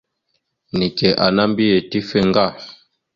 Neke ana mbiyez tife ŋga.